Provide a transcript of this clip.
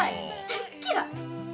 大っ嫌い！